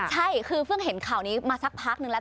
ใช่คือเพิ่งเห็นข่าวนี้มาสักพักนึงแล้ว